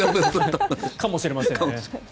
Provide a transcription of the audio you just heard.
かもしれませんね。